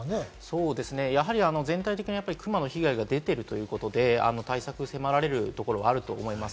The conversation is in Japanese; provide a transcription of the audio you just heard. そうですね、全体的にクマの被害が出ているということで、対策を迫られるところがあると思います。